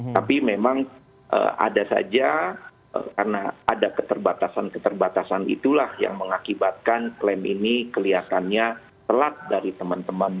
tapi memang ada saja karena ada keterbatasan keterbatasan itulah yang mengakibatkan klaim ini kelihatannya telat dari teman teman